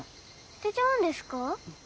捨てちゃうんですか？